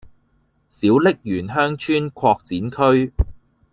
小瀝源鄉村擴展區